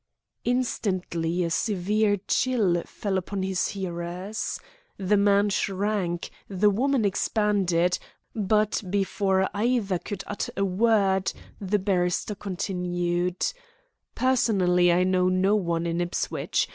Instantly a severe chill fell upon his hearers. The man shrank, the woman expanded, but before either could utter a word, the barrister continued: "Personally, I know no one in Ipswich.